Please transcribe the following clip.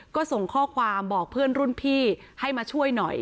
ก็ส่งข้อความบอกเพื่อนรุ่นพี่ให้มาช่วยหน่อย